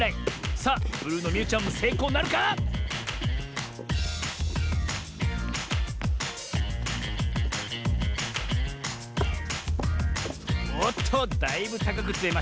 さあブルーのみゆちゃんもせいこうなるか⁉おっとだいぶたかくつめましたねえ。